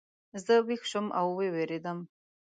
زه ویښ شوم او ووېرېدم.